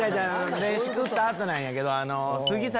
メシ食った後なんやけど。